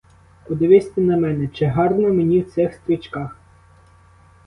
Подивись ти на мене, чи гарно мені в цих стрічках?